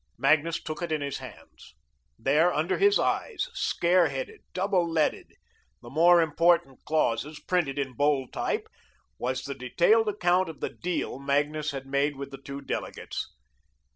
Magnus took it in his hands. There, under his eyes, scare headed, double leaded, the more important clauses printed in bold type, was the detailed account of the "deal" Magnus had made with the two delegates.